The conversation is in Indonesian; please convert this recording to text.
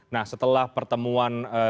nah setelah pertemuan